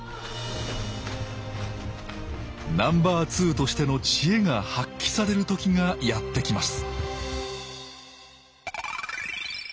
ナンバーツーとしての知恵が発揮される時がやって来ます